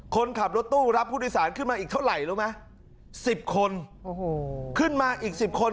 คนขับรถตู้รับผู้โดยสารขึ้นมาอีกเท่าไหร่รู้ไหม๑๐คนโอ้โหขึ้นมาอีก๑๐คน